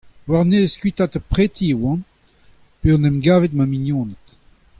War-nes kuitaat ar preti e oan p'eo en em gavet ma mignoned.